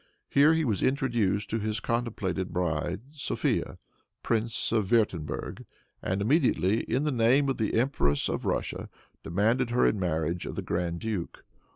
Here he was introduced to his contemplated bride, Sophia, Princess of Wirtemberg, and immediately, in the name of the Empress of Russia, demanded her in marriage of the grand duke.